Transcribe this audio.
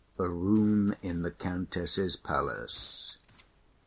A room in the Countess's palace.